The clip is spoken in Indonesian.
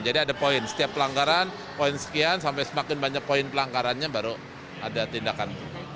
jadi ada poin setiap pelanggaran poin sekian sampai semakin banyak poin pelanggarannya baru ada tindakan